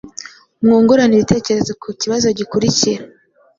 Mwungurane ibitekerezo ku kibazo gikurikira: